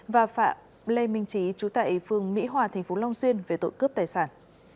và phạm lê minh trí trú tại phường mỹ hòa tp long xuyên về tội cướp tài sản